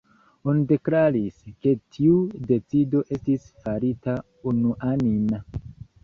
Oni deklaris, ke tiu decido estis farita unuanime.